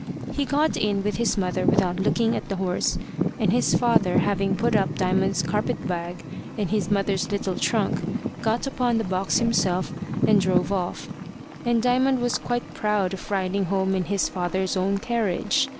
He got in with his mother without looking at the horse, and his father having put up Diamond's carpet bag and his mother's little trunk, got upon the box himself and drove off; and Diamond was quite proud of riding home in his father's own carriage.